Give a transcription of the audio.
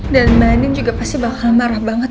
dan mbak andin juga pasti bakal marah banget